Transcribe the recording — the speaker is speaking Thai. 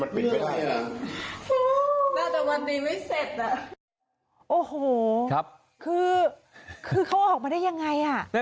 โอ้โหคือเขาออกมาได้ยังไงอ่ะ